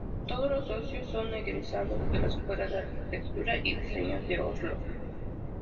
Todos los socios son egresados de la Escuela de Arquitectura y Diseño de Oslo.